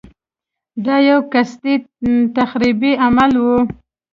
دا یو قصدي تخریبي عمل و.